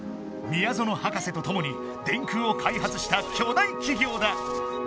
みやぞの博士とともに電空を開発した巨大企業だ。